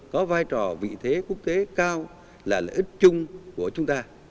có vai trò vị thế quốc tế cao là lợi ích chung của chúng ta